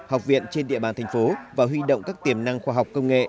học viện trên địa bàn thành phố và huy động các tiềm năng khoa học công nghệ